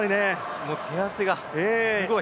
もう手汗がすごい。